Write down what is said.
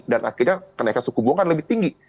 dan akhirnya kenaikan suku bunga akan lebih tinggi